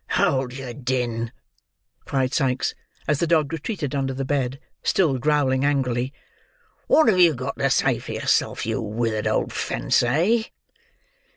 "Hold your din," cried Sikes, as the dog retreated under the bed: still growling angrily. "What have you got to say for yourself, you withered old fence, eh?"